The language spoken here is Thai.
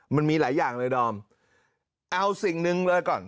มันมีหลายอย่างเลยดอมเอาสิ่งหนึ่งเลยก่อน